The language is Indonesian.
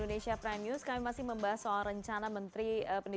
terima kasih pak menteri